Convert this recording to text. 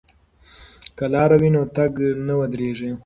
که لاره وي نو تګ نه ودریږي.